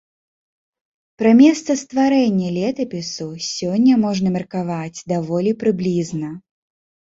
Пра месца стварэння летапісу сёння можна меркаваць даволі прыблізна.